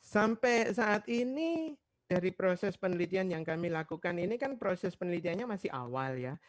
sampai saat ini dari proses penelitian yang kami lakukan ini kan proses penelitiannya masih awal ya